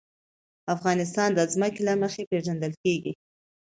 افغانستان د ځمکه له مخې پېژندل کېږي.